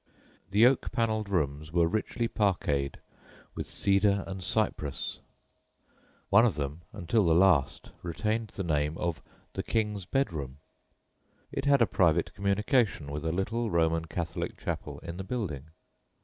The oak panelled rooms were richly parquetted with "cedar and cyprus." One of them until the last retained the name of "the King's Bedroom." It had a private communication with a little Roman Catholic chapel in the building.